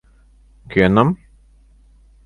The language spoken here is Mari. Кӧным?